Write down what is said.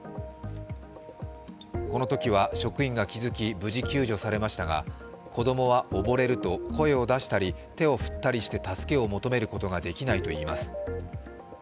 このときは職員が気付き無事救助されましたが子供は溺れると声を出したり、手を振ったりして助けを呼ぶことができないといいます。